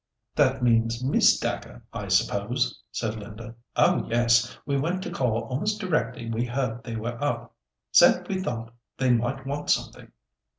"That means Miss Dacre, I suppose," said Linda. "Oh, yes; we went to call almost directly we heard they were up. Said we thought they might want something.